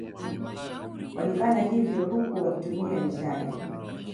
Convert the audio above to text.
Wlifanya hivyo huku wakitumia mishale